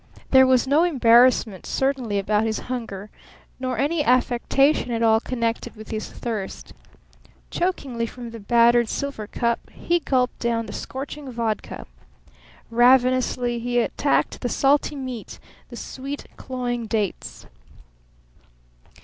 There was no embarrassment certainly about his hunger, nor any affectation at all connected with his thirst. Chokingly from the battered silver cup he gulped down the scorching vodka. Ravenously he attacked the salty meat, the sweet, cloying dates.